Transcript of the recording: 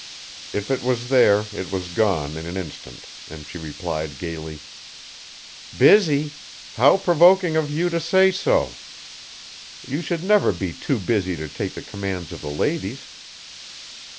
If it was there it was gone in an instant, and she replied gaily: "Busy? How provoking of you to say so! You should never be too busy to take the commands of the ladies."